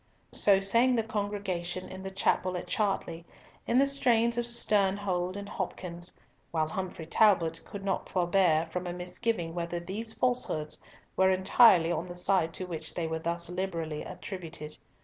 So sang the congregation in the chapel at Chartley, in the strains of Sternhold and Hopkins, while Humfrey Talbot could not forbear from a misgiving whether these falsehoods were entirely on the side to which they were thus liberally attributed.